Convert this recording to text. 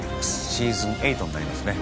シーズン８になりますね。